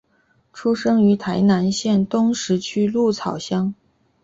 出生于台南县东石区鹿草乡。